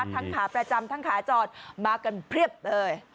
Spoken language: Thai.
ขาประจำทั้งขาจอดมากันเพียบเลย